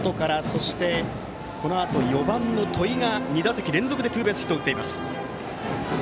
そして、このあと４番の戸井が２打席連続でツーベースヒットを打っています。